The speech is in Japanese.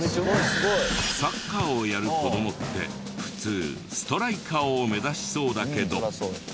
サッカーをやる子どもって普通ストライカーを目指しそうだけど。